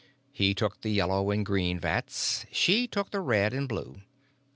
He took the yellow and green vats; she took the red and blue.